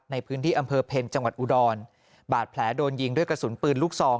ในพื้นที่อำเภอเพ็ญจังหวัดอุดรบาดแผลโดนยิงด้วยกระสุนปืนลูกซอง